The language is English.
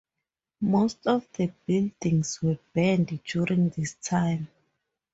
Most of the buildings were burned during this time.